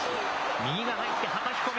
右が入ってはたき込み。